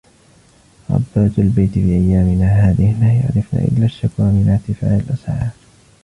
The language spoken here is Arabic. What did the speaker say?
ربات البيت في أيامنا هذه لا يعرفن إلا الشكوى من ارتفاع الأسعار.